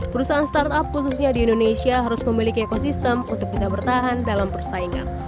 perusahaan startup khususnya di indonesia harus memiliki ekosistem untuk bisa bertahan dalam persaingan